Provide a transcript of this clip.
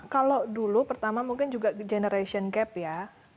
kalau dulu pertama mungkin juga the generation gap ya